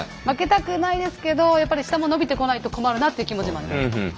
負けたくないですけどやっぱり下も伸びてこないと困るなっていう気持ちもあります。